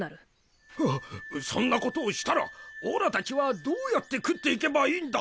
ああそんなことをしたらオラ達はどうやって食っていけばいいんだ？